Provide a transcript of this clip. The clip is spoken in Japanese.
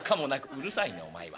「うるさいねお前は」。